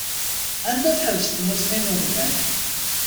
Anda tḥebbes tmusni n umdan?